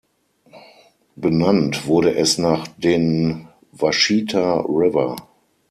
Benannt wurde es nach den Washita River.